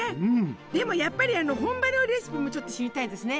でもやっぱり本場料理レシピもちょっと知りたいですね。